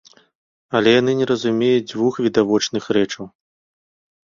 Але яны не разумеюць дзвюх відавочных рэчаў.